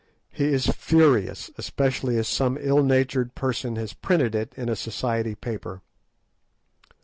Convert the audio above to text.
He is furious, especially as some ill natured person has printed it in a Society paper.